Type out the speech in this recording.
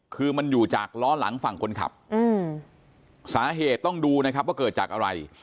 คือมันอยู่จากล้อหลังฝั่งคนขับสาเหตุต้องดูนะครับว่าเกิดจากอะไร